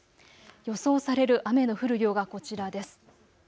予想される雨の降る量がこちらです。